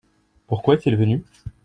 Pourquoi est-il venu ?